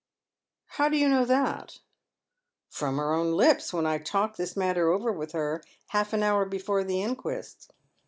" How do yoH know that ?"" From her own lips, when I talked this matter over with her bnlf an hour before the inquest.